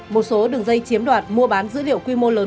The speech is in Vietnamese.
một số đường dây chiếm đoạt mua bán dữ liệu quy mô lớn